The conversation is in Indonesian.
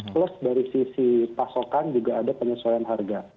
plus dari sisi pasokan juga ada penyesuaian harga